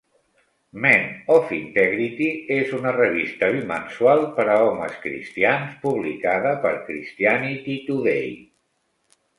"Men of Integrity" és una revista bimensual per a homes cristians publicada per Christianity Today.